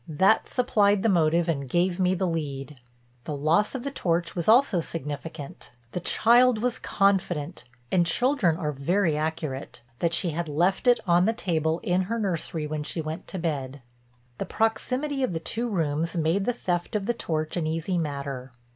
That supplied the motive and gave me the lead. The loss of the torch was also significant. The child was confident—and children are very accurate—that she had left it on the table in her nursery when she went to bed. The proximity of the two rooms made the theft of the torch an easy matter.